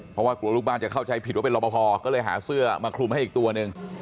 เพราะว่ากลัวลูกบ้านจะเข้าใจผิดว่าเป็นรอปภก็เลยหาเสื้อมาคลุมให้อีกตัวหนึ่ง